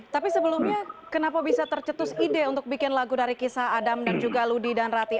tapi sebelumnya kenapa bisa tercetus ide untuk bikin lagu dari kisah adam dan juga ludi dan rati